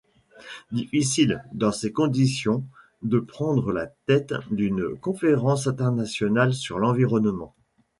Difficile, dans ces conditions, de prendre la tête d'une conférence internationale sur l'environnement.